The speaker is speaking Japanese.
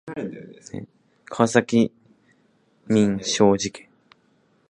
川崎民商事件